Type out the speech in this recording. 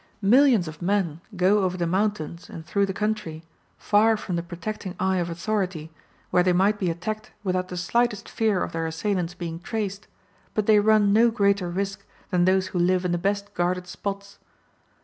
Millions of men go over the mountains and through the country, far from the protecting eye of authority, where they might be attacked without the slightest fear of their assailants being traced; but they run no greater risk than those who live in the best guarded spots.